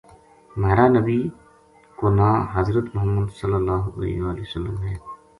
مہار نبی کو ناں حضر محمد ﷺ ہے